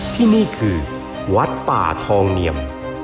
ที่นี่คือวัดป่าทองเนียม